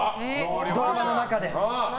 ドラマの中で。